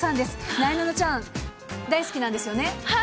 なえなのちゃん、大好きなんですはい。